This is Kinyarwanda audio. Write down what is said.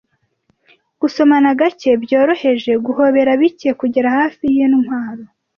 Gusomana gake byoroheje, guhobera bike, kugera hafi yintwaro,